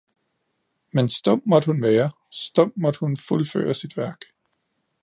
men stum måtte hun være, stum måtte hun fuldføre sit værk.